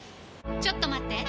ちょっと待って！